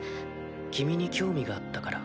君に興味があったから。